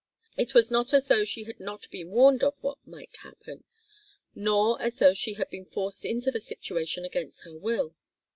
It was not as though she had not been warned of what might happen, nor as though she had been forced into the situation against her will.